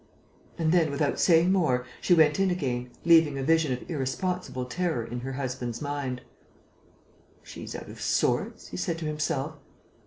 And then, without saying more, she went in again, leaving a vision of irresponsible terror in her husband's mind. "She's out of sorts," he said to himself.